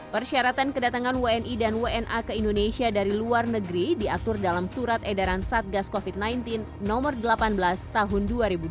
persyaratan kedatangan wni dan wna ke indonesia dari luar negeri diatur dalam surat edaran satgas covid sembilan belas no delapan belas tahun dua ribu dua puluh